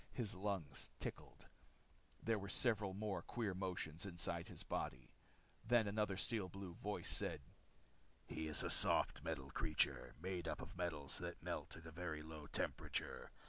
His lungs tickled. There were several more queer motions inside his body. Then another Steel Blue voice said: "He is a soft metal creature, made up of metals that melt at a very low temperature.